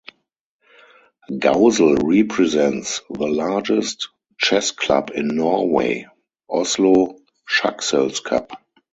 Gausel represents the largest chess club in Norway, Oslo Schackselskap.